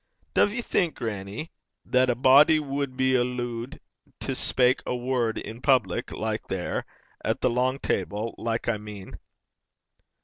'Duv ye think, grannie, that a body wad be allooed to speik a word i' public, like, there at the lang table, like, I mean?'